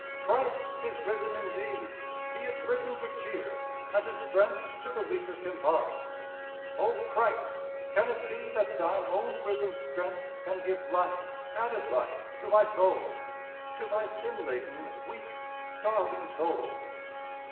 "Christ is risen indeed. He is risen to cheer, And His strength to the weakest impart." O Christ, can it be that Thine own risen strength Can give life, added life, to my soul, To my sin laden, weak, starving soul?